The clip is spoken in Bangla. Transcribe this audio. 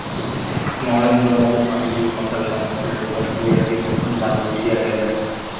নরেন্দ্রবাবু স্বামীজীর কথায় সম্মতি প্রকাশ করিয়া কিছুক্ষণ বাদে উঠিয়া গেলেন।